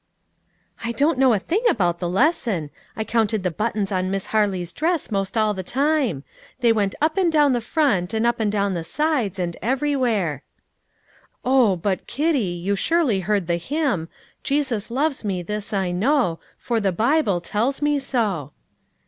"I don't know a thing about the lesson. I counted the buttons on Miss Harley's dress most all the time; they went up and down the front, and up and down the sides, and everywhere." "Oh, but, Kitty, you surely heard the hymn, 'Jesus loves me, this I know, For the Bible tells me so.'"